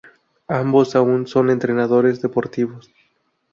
Ambos aún son entrenadores deportivos.